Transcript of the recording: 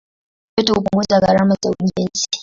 Yote hupunguza gharama za ujenzi.